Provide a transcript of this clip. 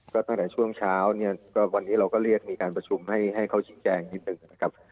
ก็ตั้งแต่ช่วงเช้าเนี่ยก็วันนี้เราก็เรียกมีการประชุมให้เขาชี้แจงนิดหนึ่งนะครับ